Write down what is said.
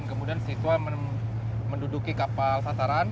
kemudian siswa menduduki kapal sasaran